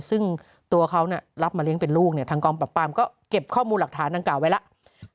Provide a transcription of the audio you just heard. ซึ่งตัวเขารับมาเลี้ยงเป็นลูกเนี่ยทางกองปรับปรามก็เก็บข้อมูลหลักฐานดังกล่าไว้แล้ว